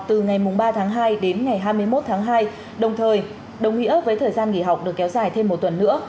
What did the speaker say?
từ ba tháng hai đến ngày hai mươi một tháng hai đồng thời đồng ý ớt với thời gian nghỉ học được kéo dài thêm một tuần nữa